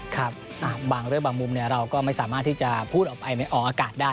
ครับบางเรื่องบางมุมเราก็ไม่สามารถที่จะพูดออกไปออกอากาศได้